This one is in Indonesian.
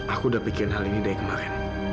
aku udah pikir hal ini dari kemarin